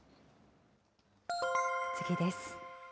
次です。